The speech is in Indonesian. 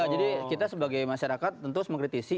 jadi kita sebagai masyarakat tentu mengkritisi